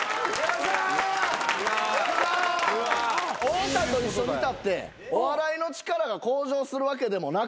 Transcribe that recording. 太田と一緒にいたってお笑いの力が向上するわけでもなく。